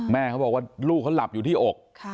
แม่เขาบอกว่าลูกเขาหลับอยู่ที่อก